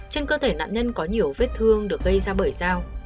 trên cơ thể nạn nhân có nhiều vết thương được gây ra bởi dao